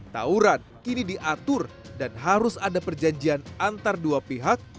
tauran kini diatur dan harus ada perjanjian antar dua pihak